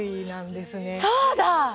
そうだ！